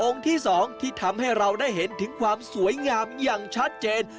ที่๒ที่ทำให้เราได้เห็นถึงความสวยงามอย่างชัดเจน